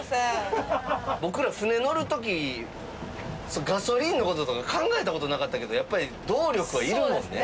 僕ら船乗る時ガソリンの事とか考えた事なかったけどやっぱり動力はいるもんね。